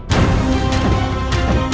kau bisa mohamad